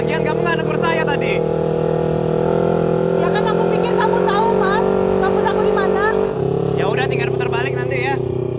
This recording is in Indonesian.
ya udah tinggal puter balik nanti ya